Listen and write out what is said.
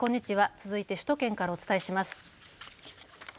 続いて首都圏からお伝えします。